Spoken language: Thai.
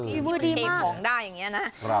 มีมือดีมาก